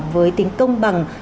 với tính công bằng